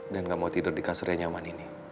dan gak mau tidur di bawah